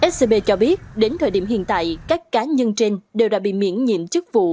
scb cho biết đến thời điểm hiện tại các cá nhân trên đều đã bị miễn nhiệm chức vụ